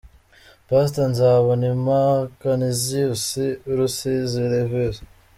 Pastor Nzabonimpa Canisius w ‘i Rusizi, Rev.